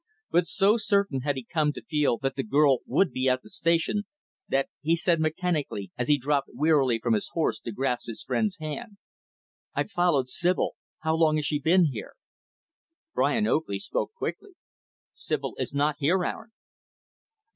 But so certain had he come to feel that the girl would be at the Station, that he said mechanically, as he dropped wearily from his horse to grasp his friend's hand, "I followed Sibyl. How long has she been here?" Brian Oakley spoke quickly; "Sibyl is not here, Aaron."